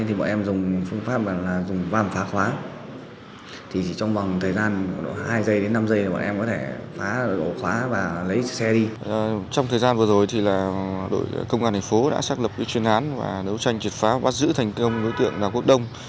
trong thời gian vừa rồi thì đội công an thành phố đã xác lập chuyên án và đấu tranh triệt phá bắt giữ thành công đối tượng đào quốc đông